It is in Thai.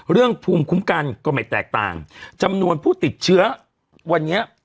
ภูมิคุ้มกันก็ไม่แตกต่างจำนวนผู้ติดเชื้อวันนี้